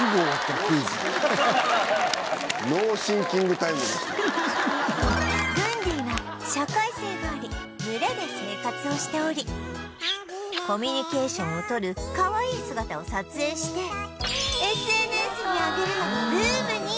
グンディは社会性があり群れで生活をしておりコミュニケーションをとるかわいい姿を撮影して ＳＮＳ に上げるのがブームに